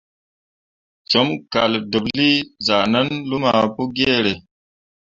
Com kaldeɓlii zah nan luma Pugiere.